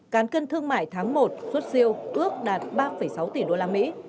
cán cân thương mại tháng một suốt siêu ước đạt ba sáu tỷ usd